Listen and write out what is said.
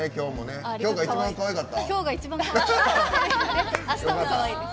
今日が一番かわいかった。